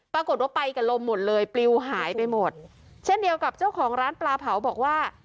ปรากฏว่าไปกับลมหมดเลยปลิวหายไปหมดเช่นเดียวกับเจ้าของร้านปลาเผาบอกว่า